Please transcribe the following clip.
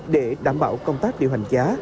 để đảm bảo công tác điều hành giá